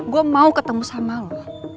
gue mau ketemu sama lo